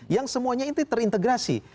yang semuanya itu terintegrasi